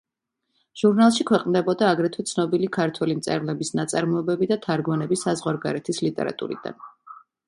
ჟურნალში ქვეყნდებოდა აგრეთვე ცნობილი ქართველი მწერლების ნაწარმოებები და თარგმანები საზღვარგარეთის ლიტერატურიდან.